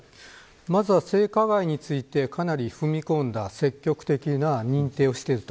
まずは性加害についてかなり踏み込んだ積極的な認定をしている。